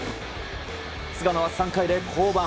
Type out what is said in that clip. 菅野は３回で降板。